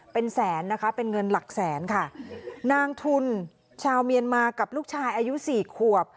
เป็นแสนนะคะเป็นเงินหลักแสนค่ะนางทุนชาวเมียนมากับลูกชายอายุสี่ขวบ